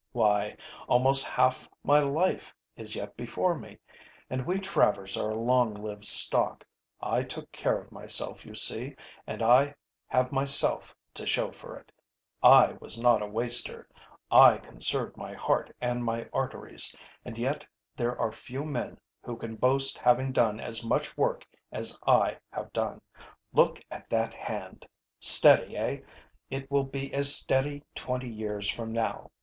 Why, almost half my life is yet before me, and we Travers are a long lived stock. I took care of myself, you see, and I have myself to show for it. I was not a waster. I conserved my heart and my arteries, and yet there are few men who can boast having done as much work as I have done. Look at that hand. Steady, eh? It will be as steady twenty years from now.